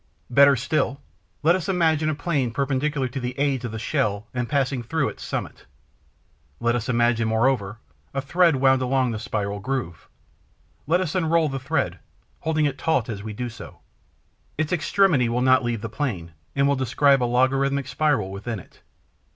Better still. Let us imagine a plane perpendicular to the aids of the shell and passing through its summit. Let us imagine, moreover, a thread wound along the spiral groove. Let us unroll the thread, holding it taut as we do so. Its extremity will not leave the plane and will describe a logarithmic spiral within it.